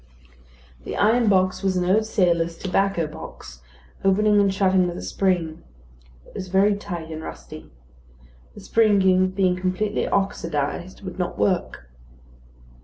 The iron box was an old sailor's tobacco box, opening and shutting with a spring. It was very tight and rusty. The spring being completely oxidised would not work.